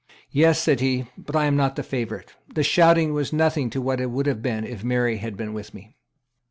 "Yes," said he; "but I am not the favourite. The shouting was nothing to what it would have been if Mary had been with me."